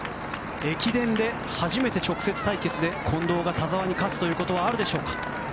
駅伝で初めて直接対決で近藤が田澤に勝つということはあるでしょうか。